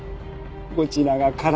こちらが体。